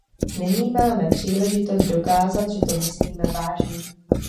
Nyní máme příležitost dokázat, že to myslíme vážně.